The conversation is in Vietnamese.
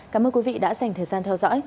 cảm ơn quý vị đã dành thời gian theo dõi